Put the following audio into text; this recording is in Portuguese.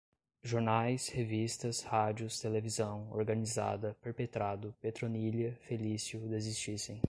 jornais, revistas, rádios, televisão, organizada, perpetrado, Petronília, Felício, desistissem